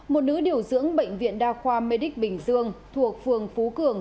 một nữ điều dưỡng bệnh viện đa khoa met bình dương thuộc phường phú cường